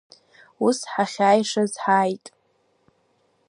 Ус ҳахьааишаз ҳааит.